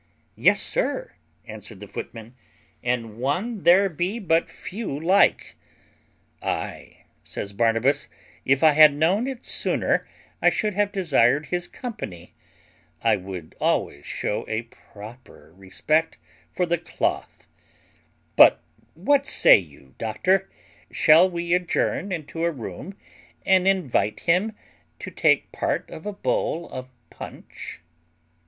"Yes, sir," answered the footman; "and one there be but few like." "Aye," said Barnabas; "if I had known it sooner, I should have desired his company; I would always shew a proper respect for the cloth: but what say you, doctor, shall we adjourn into a room, and invite him to take part of a bowl of punch?"